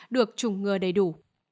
được chủng ngừa đầy đủ